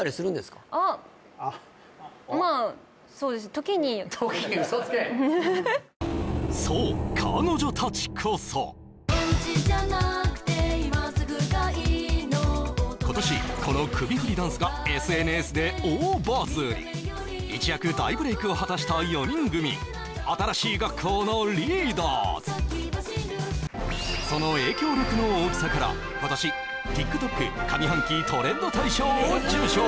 時にウソつけそう彼女たちこそそのうちじゃなくて今すぐがいいの今年この首振りダンスがＳＮＳで大バズり一躍大ブレイクを果たした４人組新しい学校のリーダーズその影響力の大きさから今年ＴｉｋＴｏｋ上半期トレンド大賞を受賞